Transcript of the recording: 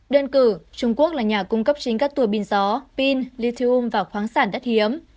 đơn cử trung quốc là nhà cung cấp chính các tùa pin gió pin lithium và khoáng sản đất hiếm